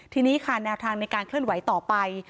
ทีนี้ค่ะแนวทางในการเคลื่อนไหวต่อไป